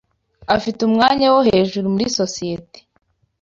Afite umwanya wo hejuru muri sosiyete.